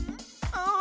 ああ。